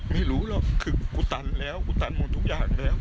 ไม่รู้หรอกคือกูตันแล้วกูตันหมดทุกอย่างแล้ว